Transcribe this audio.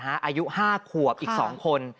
อายุ๕ขวบอีก๒คน